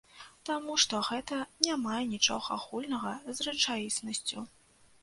Таму што гэта не мае нічога агульнага з рэчаіснасцю.